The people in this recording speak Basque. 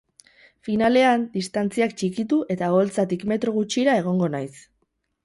Finalean, distantziak txikitu eta oholtzatik metro gutxira egongo naiz.